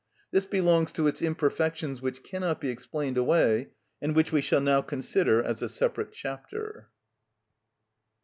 This belongs to its imperfections which cannot be explained away, and which we shall now consider in a separate chapter.